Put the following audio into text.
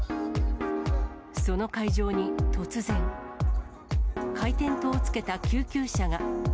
その会場に突然、回転灯をつけた救急車が。